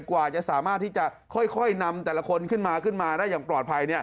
กว่าจะสามารถที่จะค่อยนำแต่ละคนขึ้นมาขึ้นมาได้อย่างปลอดภัย